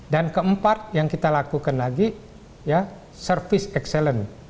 dan keempat yang kita lakukan lagi ya service excellence